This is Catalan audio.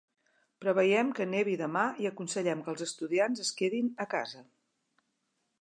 Preveiem que nevi demà i aconsellem que els estudiants es quedin a casa.